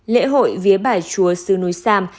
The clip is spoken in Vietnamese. lễ hội vía bài chúa sư núi sam